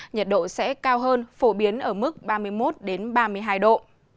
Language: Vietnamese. nhiệt độ sẽ cao hơn phổ biến ở mức ba mươi một ba mươi hai độ